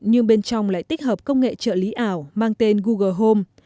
nhưng bên trong lại tích hợp công nghệ trợ lý ảo mang tên google home